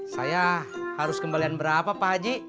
saya harus kembalian berapa pak haji